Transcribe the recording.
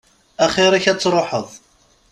Axir-k ad tṛuḥeḍ.